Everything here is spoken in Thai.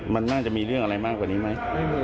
มันน่าจะมีเรื่องอะไรมากกว่านี้ไหม